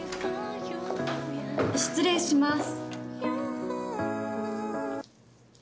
失礼します。